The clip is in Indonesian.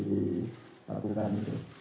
di tabungkan itu